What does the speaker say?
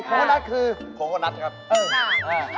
โคโคนัทคือโคโคนัทครับอ่า